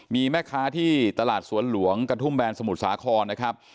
มีแม่ค้าที่ตลาดสวนหลวงกระทุ่มแบนสมุทรสาครนะครับ